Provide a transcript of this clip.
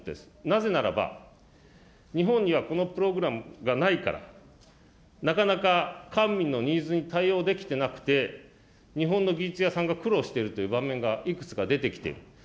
なぜならば、日本にはこのプログラムがないから、なかなか、官民のニーズに対応できてなくて、日本の技術屋さんが苦労しているという場面がいくつか出てきている。